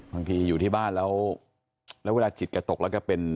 บางทีอยู่ที่บ้านแล้วเวลาจิตกระตกแล้วก็เป็น